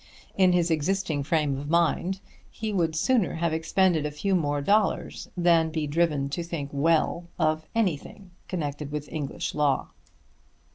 In his existing frame of mind he would sooner have expended a few more dollars than be driven to think well of anything connected with English law.